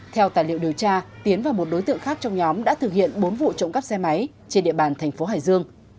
theo tài liệu điều tra tiến và một đối tượng khác trong nhóm đã thực hiện bốn vụ trộm cắp xe máy trên địa bàn thành phố hải dương